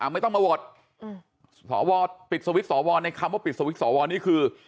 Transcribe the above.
อ่ะไม่ต้องมาโหวตอืมสอวรปิดสวิทย์สอวรในคำว่าปิดสวิทย์สอวรนี่คือ